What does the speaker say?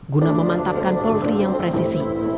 guna memantapkan polri yang presisi